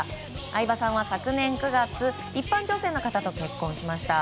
相葉さんは昨年９月一般女性の方と結婚しました。